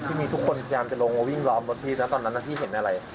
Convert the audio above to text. ที่มีทุกคนพยายามจะลงวิ่งรอบรถที่แล้วตอนนั้นที่พี่เห็นอะไร